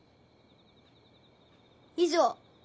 以上。